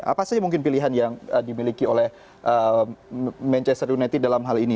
apa saja mungkin pilihan yang dimiliki oleh manchester united dalam hal ini